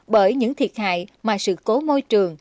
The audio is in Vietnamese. bởi những thiệt hại mà sự cố môi trường